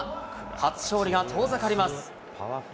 初勝利が遠ざかります。